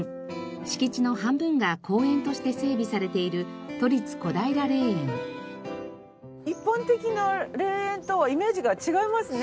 敷地の半分が公園として整備されている一般的な霊園とはイメージが違いますね。